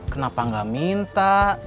kenapa gak minta